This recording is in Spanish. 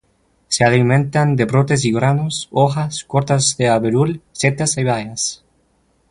Se alimentan de brotes y granos, hojas, corteza de abedul, setas y bayas.